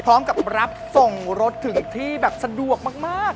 พร้อมกับรับส่งรถถึงที่แบบสะดวกมาก